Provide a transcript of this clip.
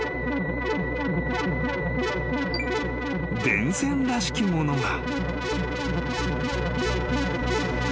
［電線らしきものが］